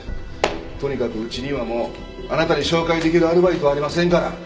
とにかくうちにはもうあなたに紹介出来るアルバイトはありませんから。